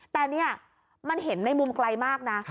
แต่นี่มันเห็นในมุมไกลมากนะ